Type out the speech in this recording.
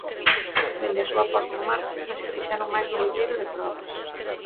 Dende a súa posta en marcha xa se fixeron máis dun milleiro de probas.